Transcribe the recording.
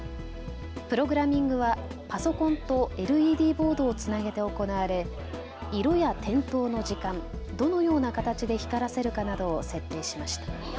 プログラミングはパソコンとＬＥＤボードをつなげて行われ色や点灯の時間、どのような形で光らせるかなどを設定しました。